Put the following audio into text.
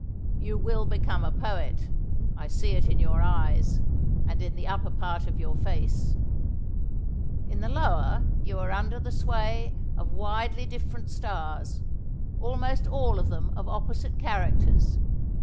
You will become a poet I see it in your eyes, and in the upper part of your face; in the lower you are under the sway of widely different stars, almost all of them of opposite characters.